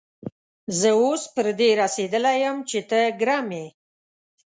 زه اوس پر دې رسېدلی يم چې ته ګرم يې.